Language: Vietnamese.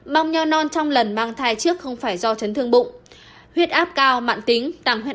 bong nho non trong lần mang thai trước không phải do chấn thương bụng